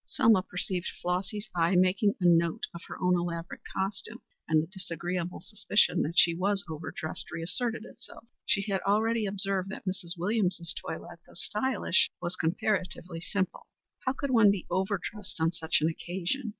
Selma perceived Flossy's eye making a note of her own elaborate costume, and the disagreeable suspicion that she was overdressed reasserted itself. She had already observed that Mrs. Williams's toilette, though stylish, was comparatively simple. How could one be overdressed on such an occasion?